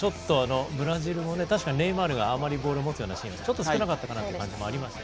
ブラジルもネイマールがあまりボールを持つシーンがちょっと少なかったなという感じがありましたが。